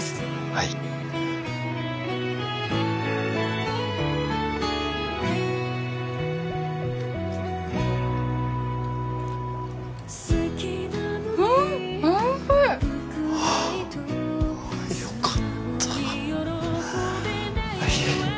はいうんおいしいああよかったいえ